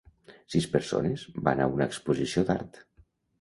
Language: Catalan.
Sis persones van a una exposició d'art.